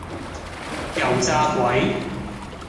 油炸鬼